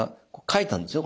書いたんですよ